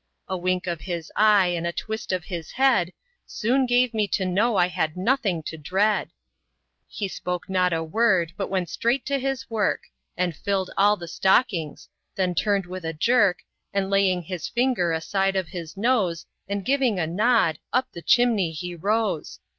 A wink of his eye, and a twist of his head, Soon gave me to know I had nothing to dread. He spoke not a word, but went straight to his work, And filled all the stockings; then turned with a jerk, And laying his finger aside of his nose, And giving a nod, up the chimney he rose.